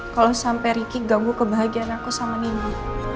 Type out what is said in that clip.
kalau sampai ricky ganggu kebahagiaan aku sama nimbu